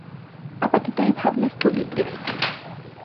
আপাতত এই ভাবনা স্থগিত রেখেছি।